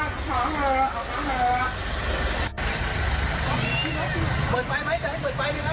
โดนโดนถึงตามทัศน์พี่หนอไปกัน